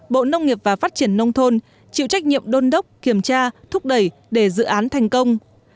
bộ nông nghiệp và phát triển nông thôn chịu trách nhiệm đôn đốc kiểm tra thúc đẩy để dự án thành công